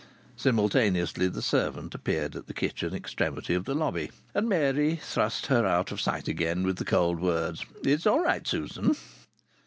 Simultaneously the servant appeared at the kitchen extremity of the lobby, and Mary thrust her out of sight again with the cold words: "It's all right, Susan."